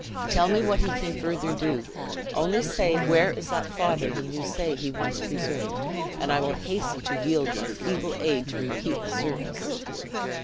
Tell me what he can further do. Only say, where is that father whom you say he once preserved, and I will hasten to yield my feeble aid to repeat the service!"